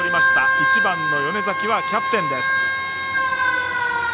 １番の米崎はキャプテンです。